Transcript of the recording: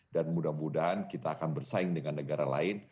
dan mudah mudahan kita akan bersaing dengan negara lain